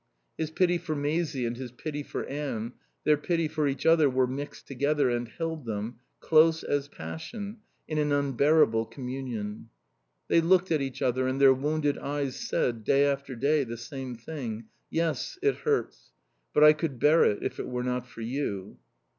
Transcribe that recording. His pity for Maisie and his pity for Anne, their pity for each other were mixed together and held them, close as passion, in an unbearable communion. They looked at each other, and their wounded eyes said, day after day, the same thing: "Yes, it hurts. But I could bear it if it were not for you."